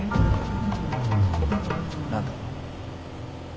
何だ？